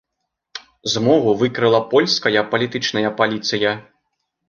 Змову выкрыла польская палітычная паліцыя.